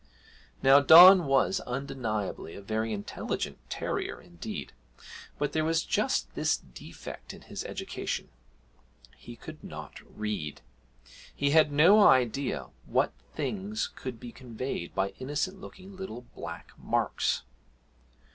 Now Don was undeniably a very intelligent terrier indeed, but there was just this defect in his education he could not read: he had no idea what things could be conveyed by innocent looking little black marks.